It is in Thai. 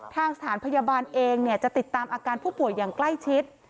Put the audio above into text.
ทางสถานพยาบาลเองจะติดตามอาการผู้ป่วยอย่างใกล้ชิด